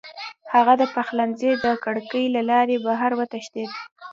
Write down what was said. هغه د پخلنځي د کړکۍ له لارې بهر وتښتېد.